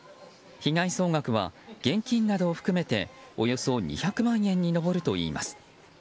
被害総額は現金なども含めておよそ２００万円に上るといいます。